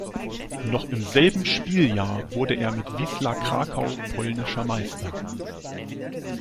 Noch im selben Spieljahr wurde er mit Wisła Krakau polnischer Meister.